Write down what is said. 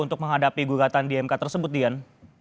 untuk menghadapi gugatan di mk tersebut dian